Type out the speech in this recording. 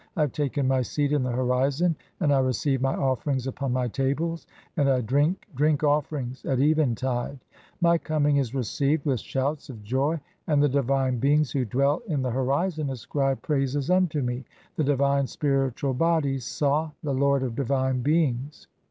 I have taken my seat in the (i3) horizon, "and I receive my offerings upon my tables, and I drink drink offerings at eventide. My coming is [received] with (14) shouts "of joy, and the divine beings who dwell in the horizon ascribe "praises unto me, the divine spiritual body (Sah), the lord of "divine beings (15).